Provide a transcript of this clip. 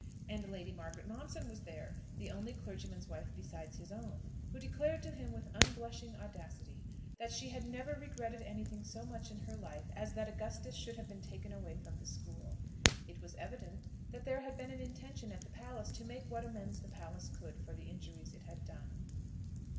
And Lady Margaret Momson was there, the only clergyman's wife besides his own, who declared to him with unblushing audacity that she had never regretted anything so much in her life as that Augustus should have been taken away from the school. It was evident that there had been an intention at the palace to make what amends the palace could for the injuries it had done.